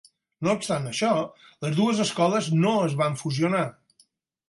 No obstant això, les dues escoles no es van fusionar.